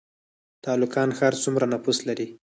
تالقان ښار څومره نفوس لري؟